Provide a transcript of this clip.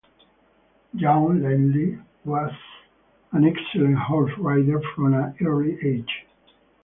Young Lindley was an excellent horse rider from an early age.